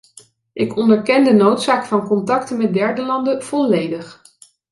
Ik onderken de noodzaak van contacten met derde landen volledig.